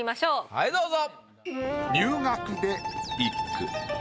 はいどうぞ。